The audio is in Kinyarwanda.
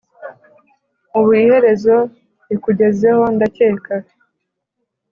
Ubu iherezo rikugezeho ndakeka